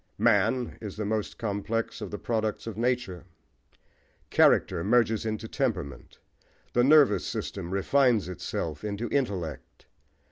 Man is the most complex of the products of nature. Character merges into temperament: the nervous system refines itself into intellect.